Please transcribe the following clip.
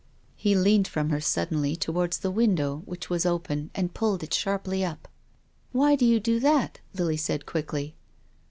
He leaned from her suddenly towards the window which was open and pulled it sharply up. " Why do you do that?" Lily said quickly.